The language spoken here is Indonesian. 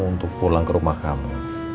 untuk pulang ke rumah kami